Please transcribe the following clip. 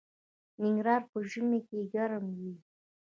ننګرهار په ژمي کې ګرم وي